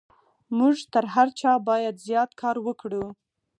موږ تر هر چا بايد زيات کار وکړو.